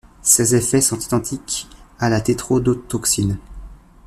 Ses effets sont identiques à la tétrodotoxine.